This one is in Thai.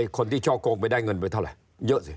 คนที่ช่อโกงไปได้เงินไปเท่าไหร่เยอะสิ